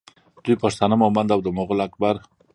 دوی پښتانه مومند او د مغول اکبر